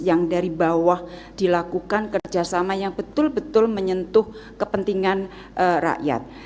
yang dari bawah dilakukan kerjasama yang betul betul menyentuh kepentingan rakyat